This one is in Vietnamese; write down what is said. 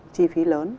chi phí lớn